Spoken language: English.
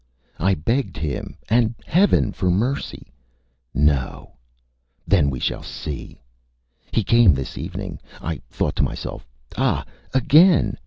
I begged him and Heaven for mercy. ... No! ... Then we shall see. ... He came this evening. I thought to myself: ÂAh! again!